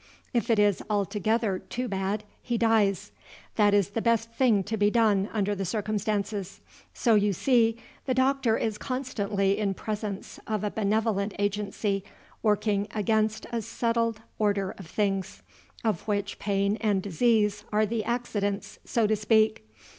If it is altogether too bad, he dies. That is the best thing to be done under the circumstances. So you see, the doctor is constantly in presence of a benevolent agency working against a settled order of things, of which pain and disease are the accidents, so to speak.